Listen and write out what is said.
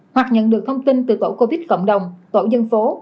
hoặc nhận được thông tin từ tổ covid cộng đồng tổ dân phố